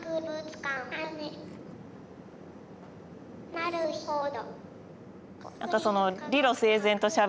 なるほど。